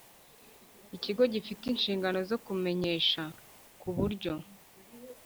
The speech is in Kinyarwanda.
Ikigo gifite inshingano zo kumenyesha ku buryo